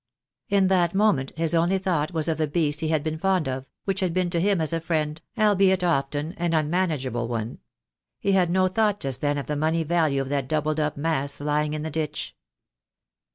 In that moment his only thought was of the beast he had been fond of, which had been to him as a friend, albeit often an unmanageable one. He had no thought just then of the money value of that doubled up mass lying in the ditch.